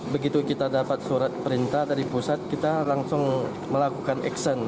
begitu kita dapat surat perintah dari pusat kita langsung melakukan action